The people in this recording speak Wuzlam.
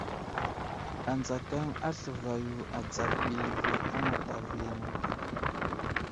Anzakaŋ asləva yo adzav bəlvi a matavo yaŋ age.